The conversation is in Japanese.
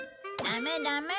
ダメダメ。